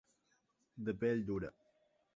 De pell dura.